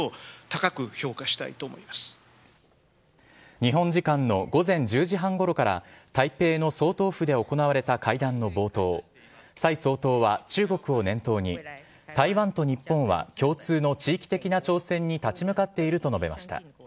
日本時間の午前１０時半ごろから台北の総統府で行われた会談の冒頭蔡総統は中国を念頭に台湾と日本は共通の地域的な挑戦に立ち向かっていると述べました。